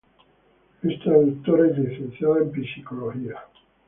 Es traductora y Licenciada en Psicología.